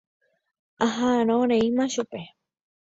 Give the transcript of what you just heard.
Aha'ãrõ reíma chupe.